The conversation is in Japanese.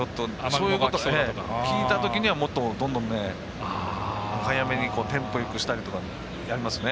そういうのを聞いたときにはどんどん早めにテンポよくしたりとかやりますね。